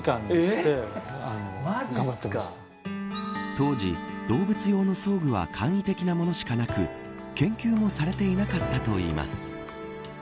当時、動物用の装具は簡易的なものしかなく研究もされていなかったといいます。